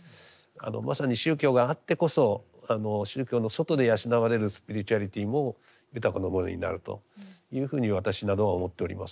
まさに宗教があってこそ宗教の外で養われるスピリチュアリティも豊かなものになるというふうに私などは思っております。